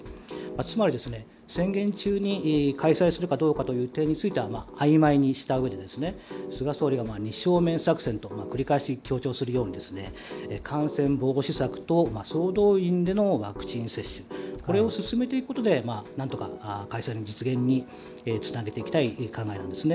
つまり、宣言中に開催するかどうかという予定についてはあいまいにしたうえで菅総理が２正面作戦と繰り返し強調するような感染防止策と総動員でのワクチン接種これを進めていくことで何とか開催の実現につなげていきたい考えなんです。